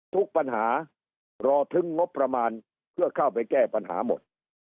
ทุกปัญหารอถึงงบประมาณเพื่อเข้าไปแก้ปัญหาหมด